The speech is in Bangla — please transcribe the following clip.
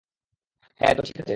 হ্যাঁ, তো ঠিক আছে।